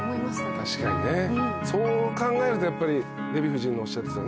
確かにねそう考えるとやっぱりデヴィ夫人がおっしゃってた。